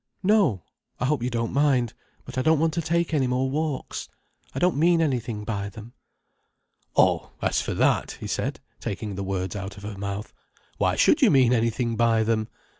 "No. I hope you don't mind. But I don't want to take any more walks. I don't mean anything by them." "Oh, as for that," he said, taking the words out of her mouth. "Why should you mean anything by them!"